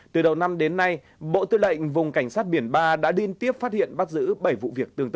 từ đầu năm đến nay bộ tư lệnh vùng cảnh sát biển ba đã liên tiếp phát hiện bắt giữ bảy vụ việc tương tự